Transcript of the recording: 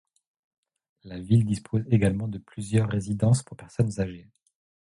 La ville dispose également de plusieurs résidences pour personnes âgées.